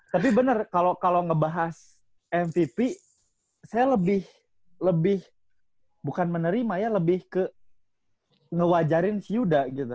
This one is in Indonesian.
tapi bener kalau ngebahas mtp saya lebih lebih bukan menerima ya lebih ke ngewajarin syuda gitu